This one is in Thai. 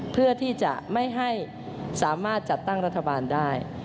เพื่อที่จะไม่ให้สามารถจัดตั้งรัฐบาลได้